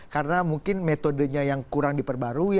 karena mungkin metodenya yang kurang diperbarui